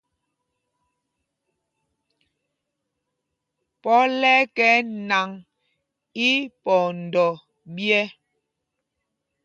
Pɔl ɛ́ ɛ́ kɛ nǎŋ ípɔndɔ ɓyɛ̄.